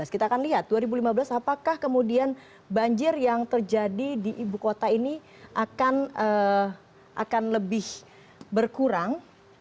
kita akan lihat dua ribu lima belas apakah kemudian banjir yang terjadi di ibu kota ini akan lebih berkurang